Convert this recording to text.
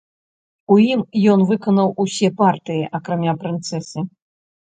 У ім ён выканаў усе партыі, акрамя прынцэсы.